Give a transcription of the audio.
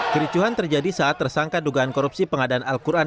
kericuhan terjadi saat tersangka dugaan korupsi pengadaan al quran